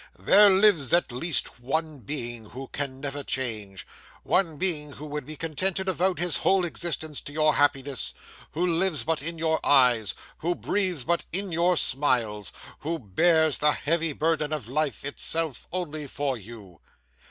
There lives at least one being who can never change one being who would be content to devote his whole existence to your happiness who lives but in your eyes who breathes but in your smiles who bears the heavy burden of life itself only for you.